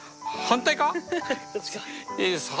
反対か。